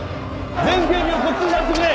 全警備をこっちに回してくれ！